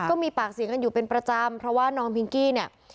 ก็มีปากเสียงกันอยู่เป็นประจำเพราะว่าน้องพิงกี้เนี่ย